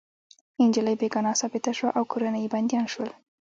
انجلۍ بې ګناه ثابته شوه او کورنۍ يې بندیان شول